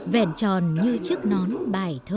vẹn tròn như chiếc nón bài thơ